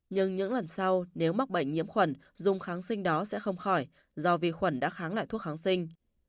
nhưng những lần sau nếu mắc bệnh nhiễm khuẩn dùng kháng sinh đó sẽ không khỏi do vi khuẩn đã kháng lại thuốc kháng sinh